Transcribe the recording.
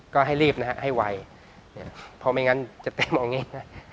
ก็ให้รีบนะฮะให้ไวเพราะไม่งั้นจะเต็มเอาไงนะ